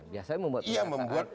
biasanya membuat pernyataan